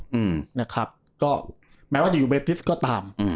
อืมนะครับก็แม้ว่าจะอยู่เบติสก็ตามอืม